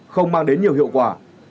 không mang đến nhiều hiệu quả